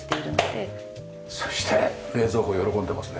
そして冷蔵庫喜んでますね。